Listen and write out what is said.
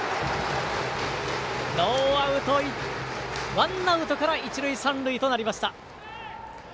ワンアウトから一塁三塁となりました。